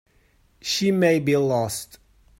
She may be lost.